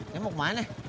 lo mau kemana